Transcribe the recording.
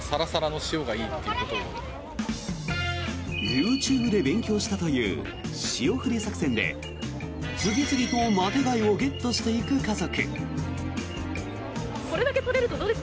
ＹｏｕＴｕｂｅで勉強したという塩振り作戦で次々とマテガイをゲットしていく家族。